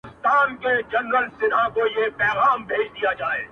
• د کلي حوري په ټول کلي کي لمبې جوړي کړې.